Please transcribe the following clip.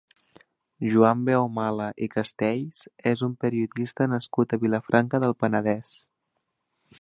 Joan Beumala i Castells és un periodista nascut a Vilafranca del Penedès.